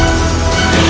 itu udah gila